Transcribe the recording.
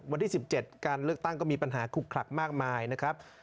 วันที่๑๗การเลือกตั้งก็มีปัญหาคุกคลักมากมายนะครับ